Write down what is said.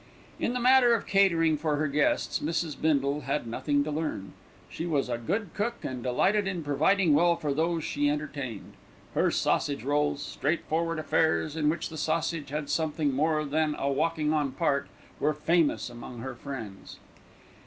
In the matter of catering for her guests Mrs. Bindle had nothing to learn. She was a good cook and delighted in providing well for those she entertained. Her sausage rolls, straightforward affairs in which the sausage had something more than a walking on part, were famous among her friends.